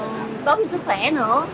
nó vừa tốt hơn cái sức khỏe nữa